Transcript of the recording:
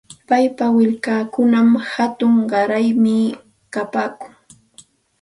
Paypa willkankunam hatun qaraymi kapaakun.